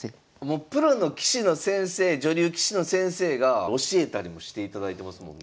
もうプロの棋士の先生女流棋士の先生が教えたりもしていただいてますもんね。